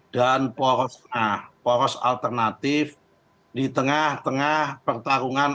dan poros alternatif di tengah tengah pertarungan